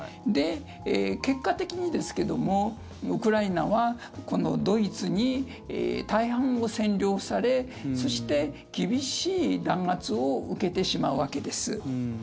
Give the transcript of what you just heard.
結果的にですけどもウクライナはドイツに大半を占領されそして、厳しい弾圧を受けてしまうわけです。